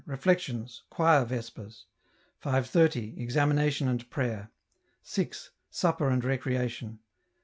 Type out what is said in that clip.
Reflections. Choir Vespers. 5.30. Examination and Prayer. 6. Supper and Recreation.